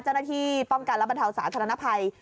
เจ้าหน้าที่ป้องกันและบรรเทาสาธารณภัย